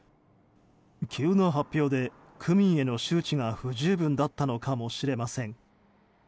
急な発表で区民への周知が不十分だったのかもしれません。